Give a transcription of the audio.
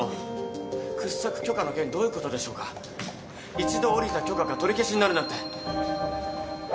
一度下りた許可が取り消しになるなんて。